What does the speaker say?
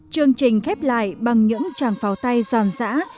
chương trình khép lại bằng những chàng pháo tay giòn dại